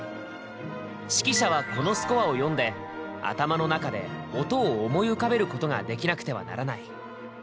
指揮者はこのスコアを読んで頭の中で音を思い浮かべることができなくてはならない。